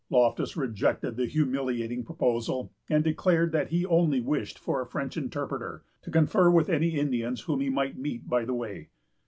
Loftus rejected the humiliating proposal, and declared that he only wished for a French interpreter, to confer with any Indians whom he might meet by the way.